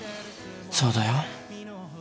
そうだよ。